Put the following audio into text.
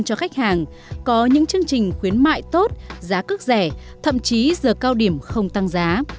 cho khách hàng có những chương trình khuyến mại tốt giá cước rẻ thậm chí giờ cao điểm không tăng giá